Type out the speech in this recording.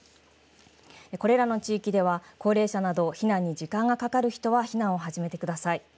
これらの地域では高齢者など避難に時間がかかる人は避難を始めてください。